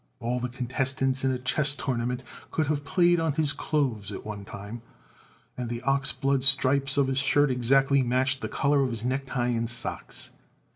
All the contestants in a chess tournament could have played on his clothes at one time, and the ox blood stripes on his shirt exactly matched the color of his necktie and socks.